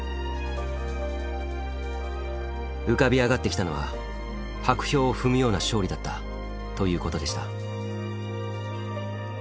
浮かび上がってきたのは薄氷を踏むような勝利だったということでした。